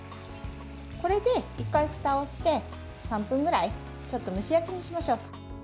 これで１回ふたをして３分ぐらいちょっと蒸し焼きにしましょう。